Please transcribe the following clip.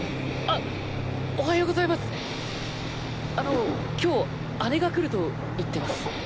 あの今日姉が来ると言ってます。